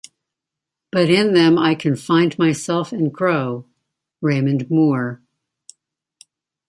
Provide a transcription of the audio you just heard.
But in them I can find myself and grow-Raymond Moore.